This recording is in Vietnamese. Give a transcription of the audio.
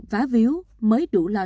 vá viếu mới đủ lo